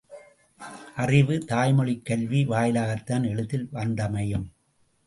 அறிவு, தாய்மொழிக் கல்வி வாயிலாகத்தான் எளிதில் வந்தமையும்.